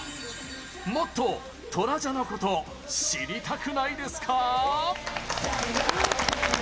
もっとトラジャのこと知りたくないですか？